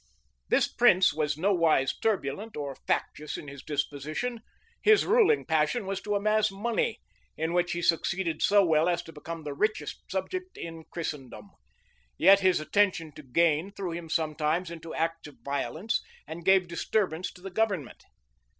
* Rymer, vol i. p. 269. Trivet, p. 179. {1227.} This prince was nowise turbulent or factious in his disposition: his ruling passion was to amass money, in which he succeeded so well as to become the richest subject in Christendom: yet his attention to gain threw him sometimes into acts of violence, and gave disturbance to the government.